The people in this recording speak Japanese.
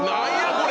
これ！